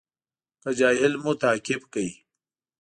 که جاهل مو تعقیب کړ.